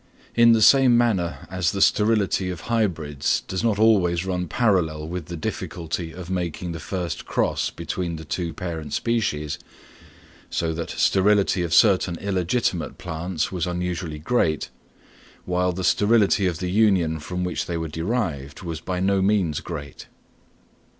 In the same manner as the sterility of hybrids does not always run parallel with the difficulty of making the first cross between the two parent species, so that sterility of certain illegitimate plants was unusually great, while the sterility of the union from which they were derived was by no means great.